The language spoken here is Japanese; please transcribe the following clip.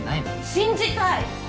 信じたい！